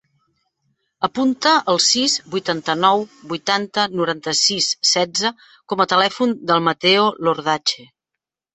Apunta el sis, vuitanta-nou, vuitanta, noranta-sis, setze com a telèfon del Mateo Iordache.